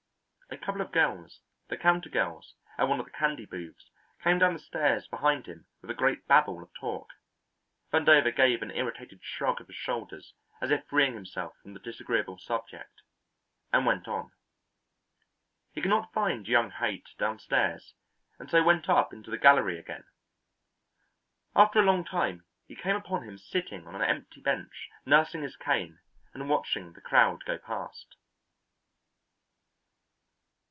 A couple of girls, the counter girls at one of the candy booths, came down the stairs behind him with a great babble of talk. Vandover gave an irritated shrug of his shoulders as if freeing himself from the disagreeable subject and went on. He could not find young Haight down stairs and so went up into the gallery again. After a long time he came upon him sitting on an empty bench nursing his cane and watching the crowd go past.